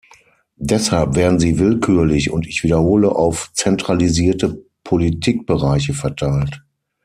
Deshalb werden sie willkürlich und ich wiederhole auf zentralisierte Politikbereiche verteilt.